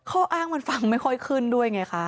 ข้ออ้างมันฟังไม่ค่อยขึ้นด้วยไงคะ